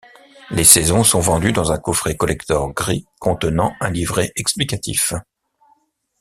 Les saisons sont vendues dans un coffret collector gris contenant un livret explicatif.